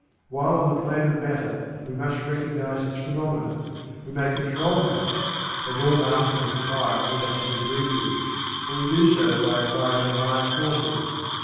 While on the Plane of matter, we must recognize its phenomena we may control Matter (as all Masters of higher or lesser degree do), but we do so by applying the higher forces.